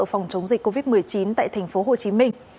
phòng chống dịch covid một mươi chín tại tp hcm